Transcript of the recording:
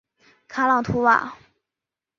卡朗图瓦。